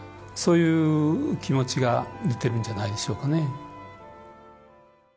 そういう気持ちが出てるんじゃないでしょうかね。